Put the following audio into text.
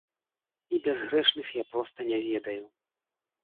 І бязгрэшных я проста не ведаю.